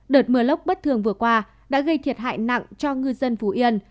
đợt mưa lốc bất thường vừa qua đã gây thiệt hại nặng cho ngư dân phú yên